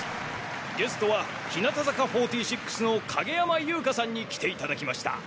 ゲストは日向坂４６の影山優佳さんに来ていただきました。